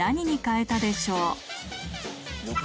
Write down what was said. え！